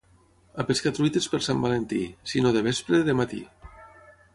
A pescar truites per Sant Valentí, si no de vespre, de matí.